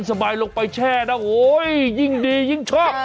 สบายลงไปแช่นะโอ้ยยิ่งดียิ่งชอบ